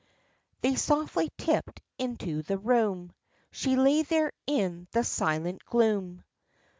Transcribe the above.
They softly tipped into the room; She lay there in the silent gloom.